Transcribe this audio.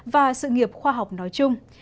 và sự nghiệp khoa học nói chung